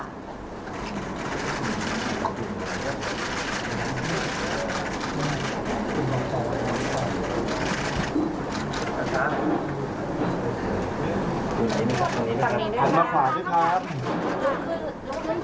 สวัสดีครับ